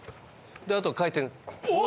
あとは回転。